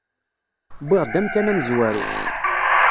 Wwiɣ-d amkan amezwaru.